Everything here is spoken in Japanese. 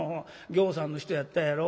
ぎょうさんの人やったやろ？